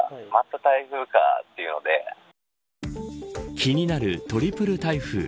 気になるトリプル台風。